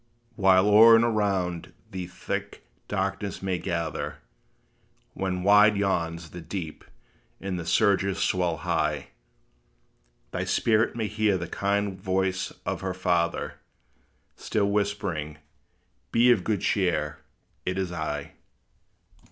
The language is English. While o'er and around thee thick darkness may gather; When wide yawns the deep, and the surges swell high, Thy spirit may hear the kind voice of her Father, Still whispering, "Be of good cheer; it is I."